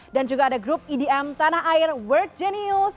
dan juga ada grup edm tanah air world genius